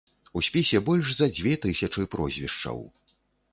У спісе больш за дзве тысячы прозвішчаў.